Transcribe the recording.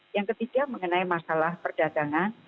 yang ketiga mengenai masalah perdagangan